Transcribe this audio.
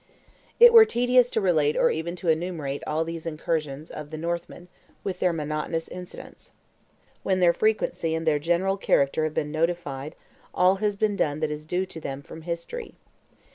It were tedious to relate or even to enumerate all these incursions of the Northmen, with their monotonous incidents. When their frequency and their general character have been notified, all has been done that is due to them from history.